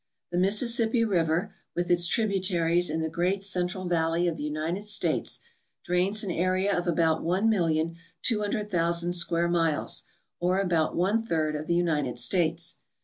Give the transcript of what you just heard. The Mississippi river, with its tributaries in the great central valley of the United States, drains an area of about 1.200,000 square miles, or about one third of the United States.